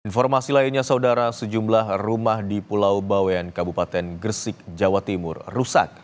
informasi lainnya saudara sejumlah rumah di pulau bawean kabupaten gresik jawa timur rusak